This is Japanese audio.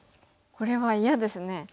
これは嫌ですね。